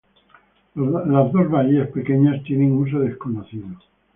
Las dos bahías pequeñas tienen uso desconocido.